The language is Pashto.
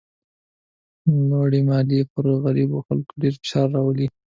لوړې مالیې پر غریبو خلکو ډېر فشار راولي.